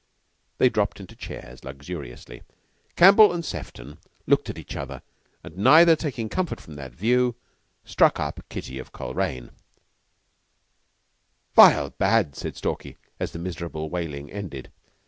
They dropped into chairs luxuriously. Campbell and Sefton looked at each other, and, neither taking comfort from that view, struck up "Kitty of Coleraine." "Vile bad," said Stalky, as the miserable wailing ended.